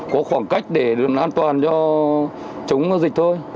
có khoảng cách để an toàn cho chống dịch thôi